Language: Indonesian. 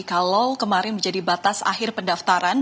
kalau kemarin menjadi batas akhir pendaftaran